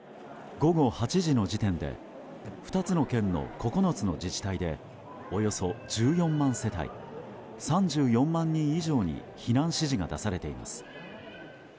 午後８時の時点で２つの県の９つの自治体でおよそ１４万世帯３４万人以上に避難指示が出されています。